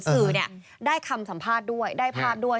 สื่อได้คำสัมภาษณ์ด้วยได้ภาพด้วย